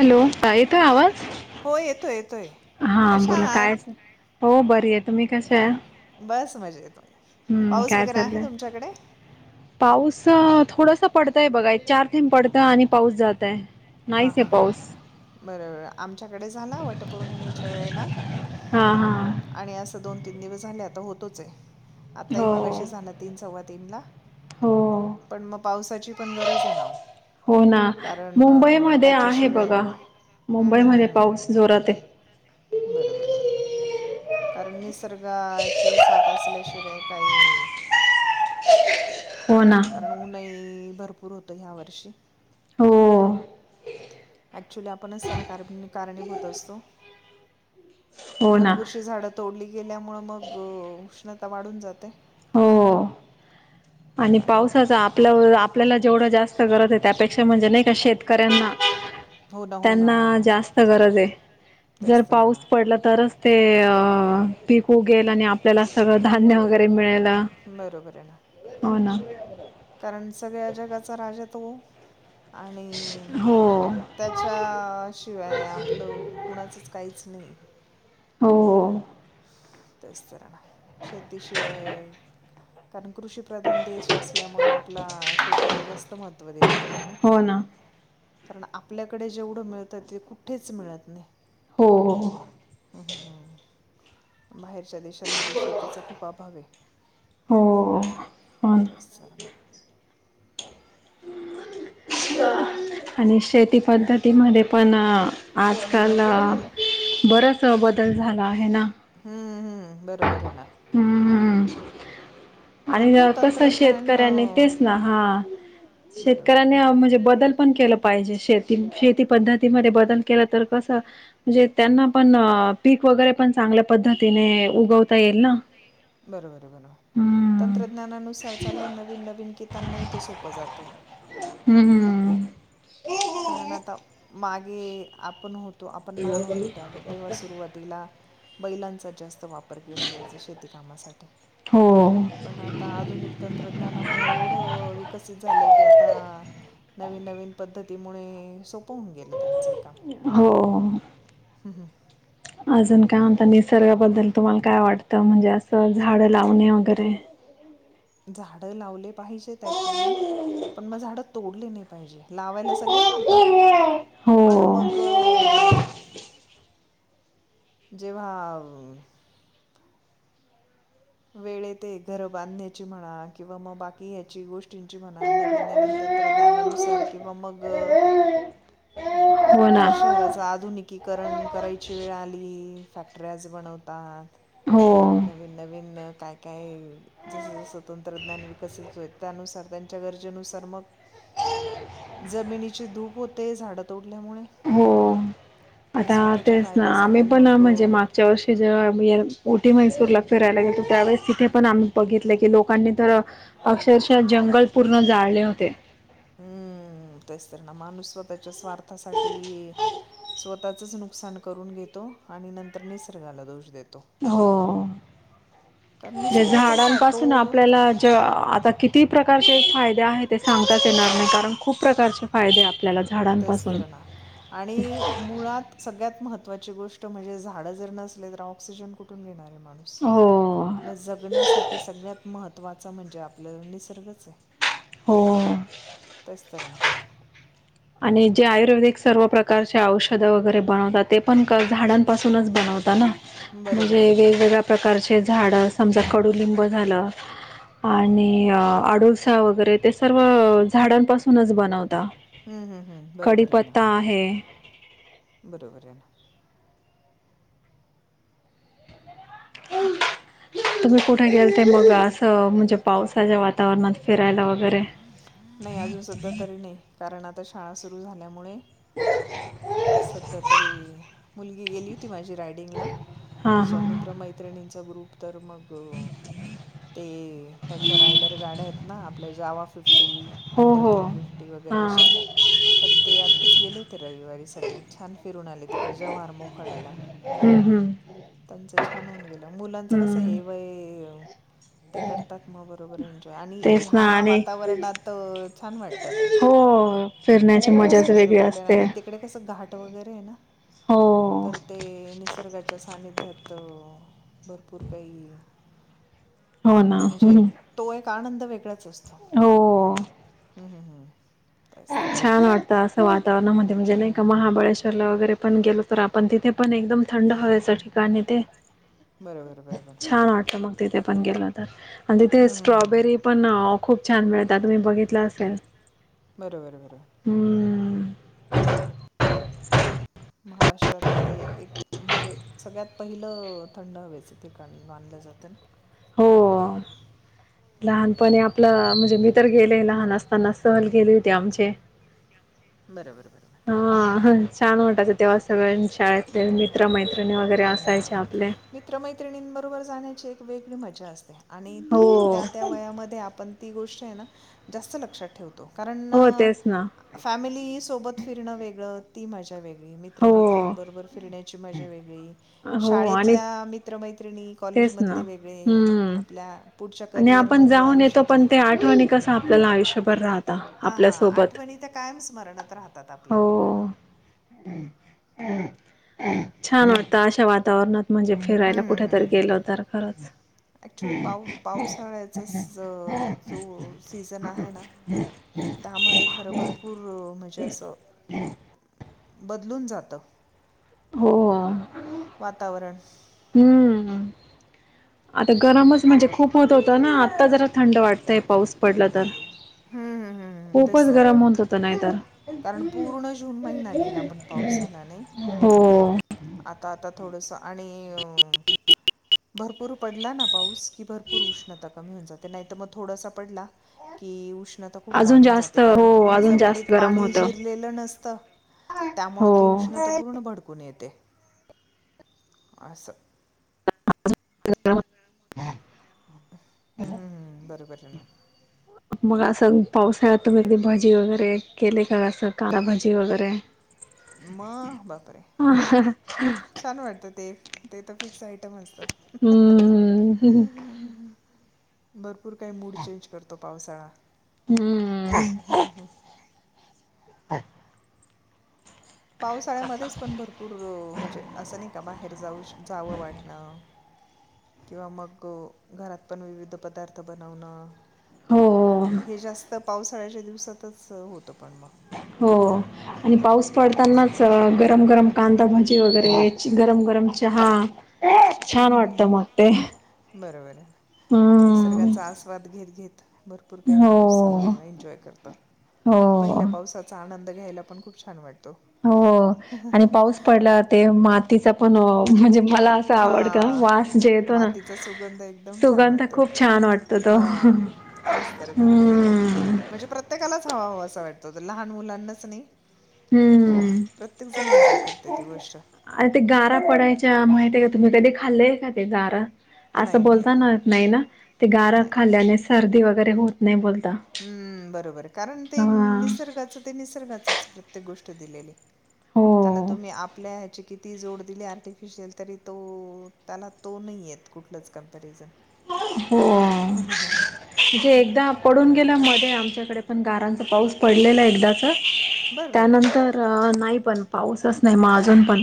Hello काय हो येतोय येतोय हा कशा बोला आहात कायच हो बरी आहे तुम्ही कस आहे बस मजेत हम्म पाऊस काय वगैरे आहे चाललंय तुमच्याकडे पाऊस थोडसा पडतय बघाय चार थंब पडतंय आणि पाऊस जातय हा नाहीच आहे हा हा पाऊस हा बरोबर आमच्याकडे झाला वटपौर्णिमेच्या वेळेला हा हा आणि असं दोन तीन दिवस झाले आता होतोच आहे आताही हो मग अ झालं तीन चवातीन ला हो पण मग पावसाची पण गरज आहे ना हो ना कारण अ, मुंबईमध्ये आहे त्याच्याशिवाय बघा हं, हं, हं, मुंबईमध्ये पाऊस हं. जोरात आहे बरोबर बरोबर कारण निसर्गाची साथ असल्याशिवाय काही हो ना कारण उनई भरपूर होतं ह्या वर्षी हो अऍक्च्युली आपणच त्याला कार कारणीभ होत असतो हो ना भरपूरशी झाडं तोडली गेल्यामुळे मग उष्णता वाढून जाते हो आणि पावसाच आपल्या आपल्याला जेवढं जास्त गरज आहे त्यापेक्षा म्हणजे नाही का शेतकऱ्यांना हो ना हो ना त्यांना ना जास्त गरज आहे जर तेच तर पाऊस ना पडला तरच ते अ पिकू गेल आणि आपल्याला सगळं धान्य वगैरे मिळेल बरोबर आहे ना हो कारण सगळ्या जगाचा राजा तो आणि हो त्याच्या शिवाय आपलं कुणाचच काहीच नाही हो हो तेच तर ना शेतीशिवाय कारण कृषीप्रधान देश असल्यामुळे आपला शेतीला जास्त महत्त्व दिले गेले ना [unintelligible] कारण आपल्याकडे जेवढं मिळतं ते कुठेच मिळत नाही हो ह ह ह बाहेरच्या देशांमध्ये शेतीचा खूप अभाव आहे हो हो ना ततर ना [unintelligible] आणि शेतीपद्धतीमध्ये पण आजकाल बरास बदल झाला आहे ना हं, हं, बरोबर आहे ना हम्म आणि भरपूर कसं तंत्रज्ञान शेतकऱ्यांनी अं, तेच ना हा बरोबर शेतकऱ्यांनी म्हणजे बदल पण केलं पाहिजे शे शेती पद्धतीमध्ये बदल के तर कस म्हणजे त्यांना पण पीक वगैरे पण चांगल्या पद्धतीने उगवता येईल ना बरोबर बरो हम्म तंत्रज्ञानानुसार चाललं नवीन नवीन गितांना ते सोपं जातं हम्मम् कारण आता मागे आपण होतो तो आपण लहान होतो त्या तेव्हा सुरुवातीला बैलांचा जास्त वापर केला जायचा शेती कामासाठी हो पण आता आधुनिक तंत्रज्ञानामुळे एवढं विकसित झालंय की आता नवीन नवीन पद्धतीमुळे सप पन गेलं त्यांचं का हो अजून काय म्हणत निसर्गाबद्दल तुम्हाला काय वाटतं म्हणजे असं झाड लावणे वगैरे झाड लावले पाहिजेत ऍक्चुली पण मग झाड तोडले नाही पाहिजे लावायला सगळे लावतात पण हो मग जेव्हा वेळेत घर बांधण्याची म्हणा किंवा मग बाकी हची गोष्ट ं म्हणा नवीन नवीन तंत्रज्ञानानुसार किंवा मग हो ना जर शहराच आधुनिकीकरण करायची वेळ आली फॅक्टर्याच बनवतात हो नवीन नवीन काय काय जस जसं तंत्रज्ञान विकसित होय त्यानुसार त्यांच्या गरजेनुसार मग जमिनीची धूप होते झाडातोड हो आणि आता स्वतःच्या तेच ना आम्ही फायद्यासाठी पण मग म्हणजे मागच्या वर्षी ज मैसूरला फिरायला गेलो त्यावेळेस तिथे पण आम्ही बघितलं की लोकांनी तर अक्षरशः जंगल पूर्ण जाळले होते तेचत ना माणूस स्वतःच्या स्वार्थासाठी स्वतःचच नुकसान करून घेतो आणि नंतर निसर्गाला दोष देतो हो कर म्हे झाडांपासून आपल्याला ज ज आता किती प्रकारचे फायदे आहे ते सांगताच येणार कारण खूप प्रकारचे फायदे आपल्याला तेच झाडांपासून तर ना आणि मुळात सगळ्यात महत् महत्वाची गोष्ट म्हणजे झाड जर नसले तर ऑक्सिजन कुठून घेणार हे माणूस हो जगण्यासाठी सगळ्यात महत् महत्वाच म्हणजे आपल्याला निसर्गच आहे हो तेच तर ना आणि जे आयुर्वेदिक सर्व प्रकारचे औषधं वगैरे बनवतात ते पण क झाडांपासूनच बनवता ना बरोबर म्हणजे आहे ना वेगवेगळ्या प्रकारचे झाडं समजा कडुलिंब झालं आणि आडूळसा वगैरे ते सर्व झाडांपासूनच बनवता हम्म हम्म हम् बरोबर आहे कडीपत्ता आहे बरोबर आहे ना ह तुम्ही कुठे गेलेथे तर मग असं म्हणजे पावसाच्या वातावरणात फिरायला वग नाही अजून सध्या तरी नाही कारण आता शाळा सुरू झाल्यामुळे सध्या तरी मुलगी गेली ती माझी रायडिंगला हां तिच्या हां मित्र मैत्रिणींचा ग्रुप तर मग हो ते त्यांच्या रायडर गाड्या आहेत ना आपल्या जावा फिफ्टी फिफ्टी हो हंड्रड हो थ्री फिफ्टी वगैरे हां अशा तर ते आतच गेले ते रविवारी सगळे छान फिरून आले तिकडे जव्हार मोखाड्याला हम त्यांच छान होऊन गेलं मुलांचं कस हम्म हे वय ते करतात मग बरोबर एन्जॉय आणि तेच ह्या ना आणि वाता वरणात छान वाटत ते हो फिरण्याची पाऊस मजाच वगैरे वेगळी पडले आणि असते तिकडे कस घाट वगैरे आहे ना हो तर ते निसर्गाच्या सानिध्यात तर भरपूर काही हो ना ह् का आनंद वेगळाच असतो [unintelligible] ह हं हं छान वाटतं असं वातावरणामध्ये हम्म म्हणजे हम्म नाही का हम्म महाबळेश्वरला वगैरे आपण गेलो तर आपण तिथे पण एकदम थंड हवेचं ठिकाण आहे ते बरोबरं बरोबर छान वाटलं मग तिथे पण गेलो [unintelligible] आणि तिथे हम्म हम्म हम्म स्ट्रॉबेरी पण खूप छान मिळत तुम्ही बघितल असेल बरोबर बरोबर हम्म महाराष्ट्रातील ते एक म्हणजे सगळ्यात पहिलं थंड हवेच ठिकाण [unintelligible] जात [unintelligible] हो लहानपणी आपलं म्हणजे मी तर गेले लहान असताना सहल गेली होती आमचे बरोबर बरोबर हा छान वाटायचं तेव्हा सगळे [unintelligible] शाळेतले मित्र मैत्री हम मित्रमैत्रिणींबरोबर जाण्याची एक वेगळी मजा असते आणि हो तो तो त्या त्या वयामध्ये आपण ती गोष्ट आहे ना जास्त लक्षात ठेवतो कारण हो तेच ना फॅमिली सोबत फिरणं वेगळं ती [unintelligible] [unintelligible] हो मित्रमैत्रिणींबरोबर फिरण्याची मजा वेगळी हो आणि शाळेतल्या मित्रमैत्रिणी तेच ना कॉलेजमधले वेगळे हम् आपल्या पुढच्या आणि आपण करिअरमधले जाऊन येतो आयुष्यातले पण ते आठवणी कस आपल्याला आयुष्यभर राह हा हा आठवणी त्या कायम स्मरणात राहतात आपल्या हो छान वाटत अशा वातावरणात म्हणजे फिरायला हम्म, कुठे हम्म, तर हम्म. गेल तर खरंच ॲक्च्युली पाव पावसाळ्याचा जो सीझन आहे ना त्यामध्ये खरं भरपूर म्हणजे असं ह बदलून जात हो हो वातावरण आधी गरमच म्हणजे खूप होत होतं ना आत्ता जरा थंड वाटतय पाऊस पडला तर हम्म, हम्म, हम्म, खूपच तेच तर ना गरम होत होत नाहीतर कारण पूर्ण जून महिना गेला पण पाऊस झाला नाही हो आता आता थोडंसं आणि अ भरपूर पडला ना पाऊस भरपूर उष्णता कमी होऊन जाते नाही त मग थोडसा पडला की उष् नाही त खुप अजून वाढून जास्त जाते कारण हो पूर्ण अजून जमिनीत जास्त गरम पाणी होत जिरलेलं नसतं त्यामुळं ती हो उष्णता पूर्ण भडकून येते असं [unintelligible] हम्म हम् हम्म बरोबर आहे ना मग असं पावसाळ्यात तुम्हीकदी भजी वगैरे केले का असं कांदाभजी वगैरे म बापरे ह छान वाटतं ते ते तर फिक्स आयटम असत हम्म ह ह भरपूर काय मूड चेंज करतो पावसाळा हम्म ह पावसाळ्यामध्येच पण भरपूर म्हणजे असं नाही का बाहेर जाऊ जावं वाटणं किंवा मग घरात पण विविध पदार्थ बनवणं हो हे जास्त पावसाळ्याच्या दिवसातच होतं पण मग हो आणि पाऊस असं पडतानाच अ गरम गरम कांदा भाजी वगैरे गरम गरम चहा हम छान वाटतं मग ते ह बरोबर हम्म निसर्गाचा आस्वाद घेत घेत भरपूर काही माणूस अ हो एन्जॉय करतं हो पहिल्या पावसाचा आनंद घ्यायला पण खूप छान वाट हो आणि पाऊस पडल्यावर ते मातीचा पण अ म्हणजे मला असं आवडतं हां वास जे येतो ना मातीचा सुगंध एकदम छान सुगंध वाटतो खूप छान वाटत तो हां तेच तर ह हम्म म्हणजे प्रत्येकालाच हवा हवा असं वाटतो लहान मुलांनाच नाही हम्म प्रत्येकजण एन्जॉय करते ती गोष्ट अ ते गारा पडायच्या माहिती का तुम्ही कधी खाल्लय का ते गारा. असं नाही नाही बोलताना नाही ना ते गार नाही खाल्ल्याने सर्दी वगैरे होत नाही बोल हम्म बरोबर कारण ते निसर्गाच ते निसर्गाचच प्रत्येक गोष्ट दिलेली. हो त्याला तुम्ही आपल्या ह्याची किती किती जोड दिली आर्टिफिशियल तरी तो त्याला तो नाहीेयेत कुठलच कंपॅरिझ. हो म्हणजे एकदा पडून गे ले मध्ये आमच्याकडे पण गारांचा पाऊस पडलेला एकदाच बरं बरं त्यानंतर नाही पण पाऊसच नाही मग अजून पण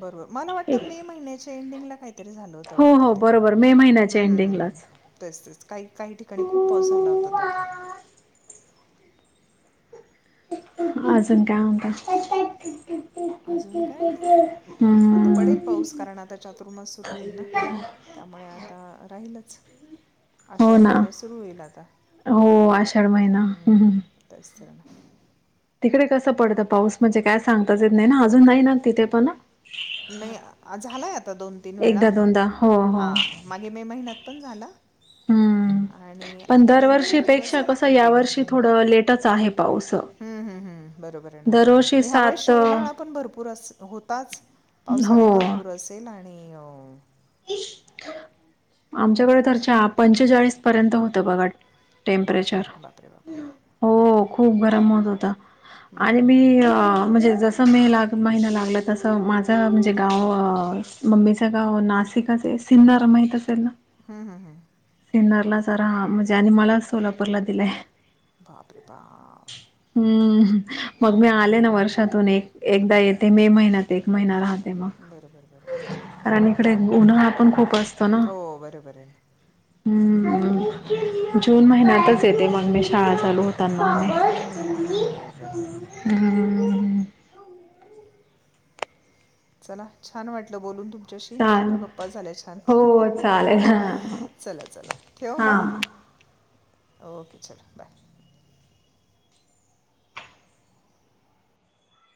बरोबर मला वाटतं मे महिन्याच्या एंडिंगला काहीतरी झालं होतं हो वाटत हो ते. बरोबर मे महिन्याच्या हम्म हम्म हम्म एंडिंगलाच तेच तेच काही काही ठिकाणी खूप पाऊस झाला होता तो. अजून काय म्हणता अजून काय नाही. आता हम्म पडेल पाऊस कारण आता चातुर्मास सुरू होईल ना त्यामुळे आता राहीलच हो आषाढ ना महिना सुरू होईल आता हो आषाढ महिना हम्म हम्म तेच. [unintelligible] तिकडे कसं पडतं पाऊस म्हणजे काय सांगताचेत नाही ना अजून नाही ना तिथे पण. नाही झालाय आता दोन तीन वेळा एकदा दोनदा हो हो हा मागे मे महिन्यात पण झाला. हम्म. आणि पण आता दोन तीन दिवस दरवर्षीपेक्षा झाला कस कंटिन्यू यावर्षी थोडं लेटच आहे पाऊस. [unintelligible] हम्म, हम्म, हम्म, बरोबर आहे ना दरवर्षी आणि ह्या सात वळेशी उन्हाळा पण भरपूर अस होताच. पावसाळा हो भरपूर असेल आणि अ [unintelligible] आमच्याकडे तर च पंचेचाळीस पर्यंत होत बघट बापरे टेम्परेचर बापरे बापरे बापरे हो खूप गरम होत होता. आणि बरोबर मी बरोबर म्हणजे जस जं मे लाग महिना लागला तसं माझं म्हणजे गाव मम्मीचं गाव नाशिकाच आहे. सिंदा रमायतात हम्म हम्म हम्म हम्म. सिन्नरला जरा म्हणजे आणि मला सोलापूरला दिलाय. बापरे बाप. हम्म मग मी आले ना वर्षातून एक एकदा येते मे महिन्यात एक महिना राहते म. बरोबर बरबर. कारण इकडे उन्हाळा पण खूप असतो ना. हो बरोबर आहे ना जून महिन्यातच येते मग मी शाळा चालू होते. हं, हं, हं. बरोबर बरोबर [unintelligible] चला छान वाटलं बोलून तुम च्याशी भरपूर चाल गप्पा झाल्या छान हो चालेल हा चला चला ठेव म. [unintelligible] ओके चल बाय.